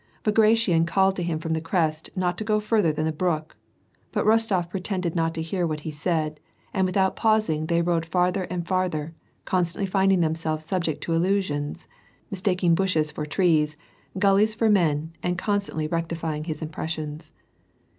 Ba gration called to him from the crest not to go farther than the brook, but Rostof pretended not to hear what he said, and without pausing they rode farther and farther, conslantlj finding himself subject to illusions, mistaking bushes for trees, gulleys for men, and constantly rectifying his impi'essions.